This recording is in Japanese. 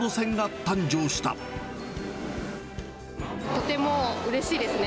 とてもうれしいですね。